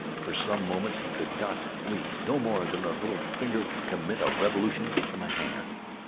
For some moments he could not flee no more than a little finger can commit a revolution from a hand.